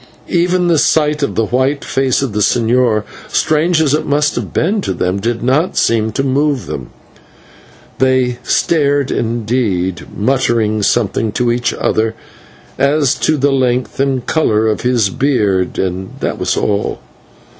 Even the sight of the white face of the señor, strange as it must have been to them, did not seem to move them. They stared indeed, muttering something to each other as to the length and colour of his beard, and that was all.